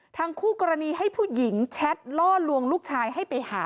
คู่กรณีให้ผู้หญิงแชทล่อลวงลูกชายให้ไปหา